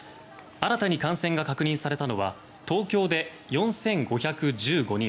新たに感染が確認されたのは東京で４５１５人